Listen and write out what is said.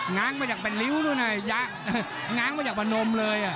ง้างมาอยากปั่นลิ้วนู่นัดไงยะง้างมาอยากปาหนมเลย